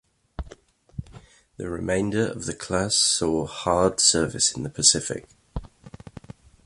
The remainder of the class saw hard service in the Pacific.